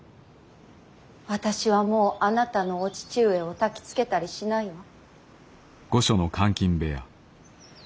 私はもうあなたのお父上をたきつけたりしないわ。